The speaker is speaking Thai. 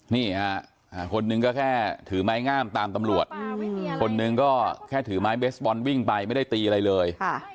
นี่ฮะคนหนึ่งก็แค่ถือไม้งามตามตำรวจคนหนึ่งก็แค่ถือไม้เบสบอลวิ่งไปไม่ได้ตีอะไรเลย